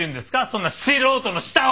そんな素人の舌を！